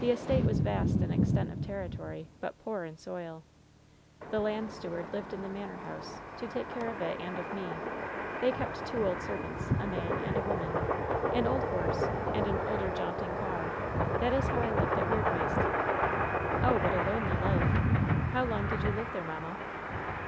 The estate was vast in extent of territory, but poor in soil. The land steward lived in the manor house, to take care of it and of me. They kept two old servants — a man and a woman — an old horse, and older jaunting ear. That is how I lived at Weirdwaste." "Oh! what a lonely life! How long did you live there, mamma